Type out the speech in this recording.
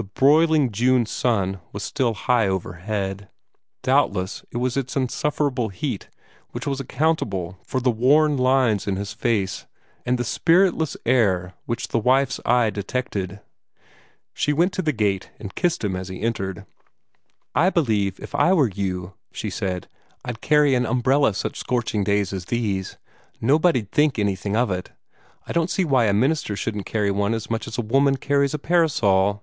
The broiling June sun was still high overhead. Doubtless it was its insufferable heat which was accountable for the worn lines in his face and the spiritless air which the wife's eye detected. She went to the gate, and kissed him as he entered. "I believe if I were you," she said, "I'd carry an umbrella such scorching days as this. Nobody'd think anything of it. I don't see why a minister shouldn't carry one as much as a woman carries a parasol."